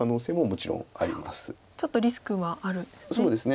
ちょっとリスクはあるんですね。